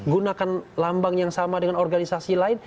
gunakan lambang yang sama dengan organisasi lain